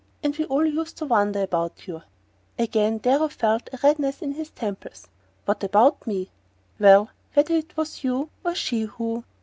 And we all used to wonder about you " Again Darrow felt a redness in the temples. "What about me?" "Well whether it was you or she who..."